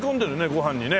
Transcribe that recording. ご飯にね！